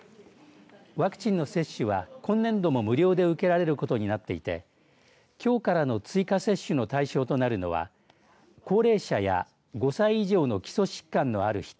ワクチンの接種は今年度も無料で受けられることになっていてきょうからの追加接種の対象となるのは高齢者や５歳以上の基礎疾患のある人